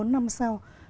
ba bốn năm sau